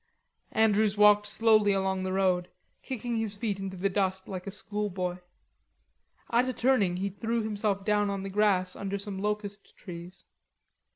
Andrews walked slowly along the road, kicking his feet into the dust like a schoolboy. At a turning he threw himself down on the grass under some locust trees.